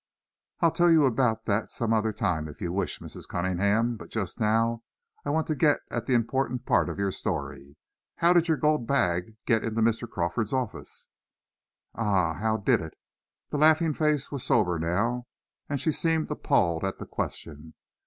"I'll tell you about that some other time if you wish, Mrs. Cunningham; but just now I want to get at the important part of your story. How did your gold bag get in Mr. Crawford's office?" "Ah, how did it?" The laughing face was sober now and she seemed appalled at the question.